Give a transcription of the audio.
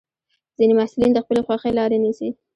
ځینې محصلین د خپلې خوښې لاره نیسي.